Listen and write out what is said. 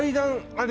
あれ